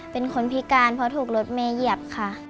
เป็นคนพิการเพราะถูกรถเมย์เหยียบค่ะ